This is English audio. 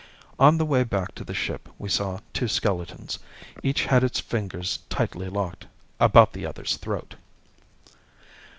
On the way back to the ship we saw two skeletons. Each had its fingers tightly locked about the other's throat.